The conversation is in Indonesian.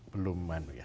belum manu ya